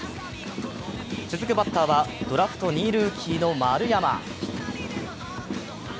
続くバッターはドラフト２位ルーキーの丸山。